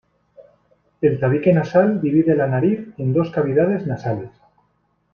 El tabique nasal divide la nariz en dos cavidades nasales.